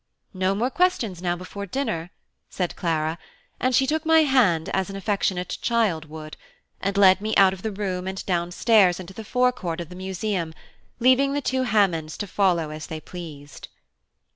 "No more questions now before dinner," said Clara; and she took my hand as an affectionate child would, and led me out of the room and down stairs into the forecourt of the Museum, leaving the two Hammonds to follow as they pleased.